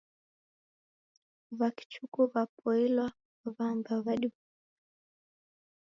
W'akichuku w'apoilwa w'amba w'adiw'ona.